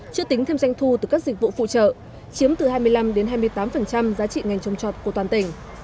chưa tính thêm doanh thu từ các dịch vụ phụ trợ chiếm từ hai mươi năm đến hai mươi tám giá trị ngành trông trọt của toàn tỉnh